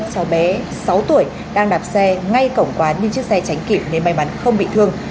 cháu bé sáu tuổi đang đạp xe ngay cổng quán nhưng chiếc xe tránh kịp nên may mắn không bị thương